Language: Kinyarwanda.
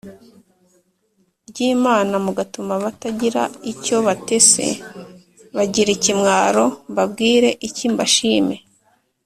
ry Imana mugatuma abatagira icyo ba te c bagira ikimwaro Mbabwire iki Mbashime